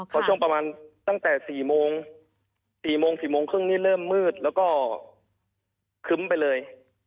ตอนช่วงประมาณตั้งแต่๔โมง๔๔๓๐นี่เริ่มมืดแล้วก็คึ้มไปเลย